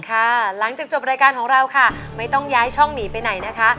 หลังจากจบรายการของเราค่ะไม่ต้องย้ายช่องหนีไปไหนนะคะ